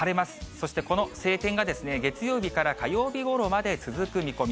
そしてこの晴天が月曜日から火曜日ごろまで続く見込み。